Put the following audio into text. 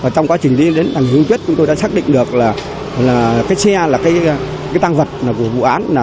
trong quá trình đi đến nhà nghỉ tuyết hưng chúng tôi đã xác định được là cái xe là cái tăng vật của vụ án